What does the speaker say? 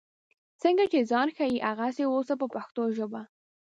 څنګه چې ځان ښیې هغسې اوسه په پښتو ژبه.